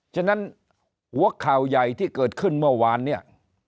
ฉะนั้นหัวข่าวใหญ่ที่เกิดขึ้นเมื่อวานเนี่ย